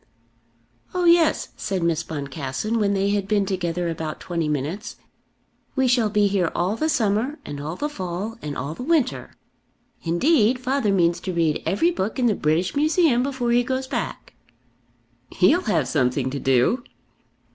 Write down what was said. "Oh yes," said Miss Boncassen, when they had been together about twenty minutes; "we shall be here all the summer, and all the fall, and all the winter. Indeed father means to read every book in the British Museum before he goes back." "He'll have something to do."